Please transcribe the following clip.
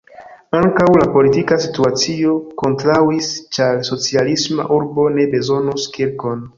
Ankaŭ la politika situacio kontraŭis, ĉar "socialisma urbo ne bezonus kirkon"!